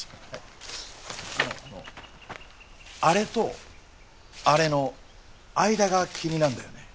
あのあれとあれの間が気になんだよね。